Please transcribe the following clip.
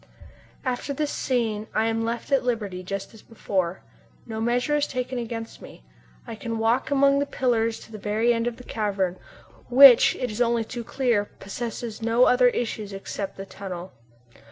After this scene I am left at liberty, just as before. No measure is taken against me, I can walk among the pillars to the very end of the cavern, which it is only too clear possesses no other issue except the tunnel.